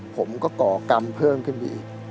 ผมก็ก่อกำเพิ่มขึ้นบี